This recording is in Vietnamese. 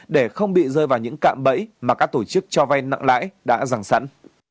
để không bị rơi vào những cạm bẫy mà các tổ chức cho vay nặng lãi đã răng sẵn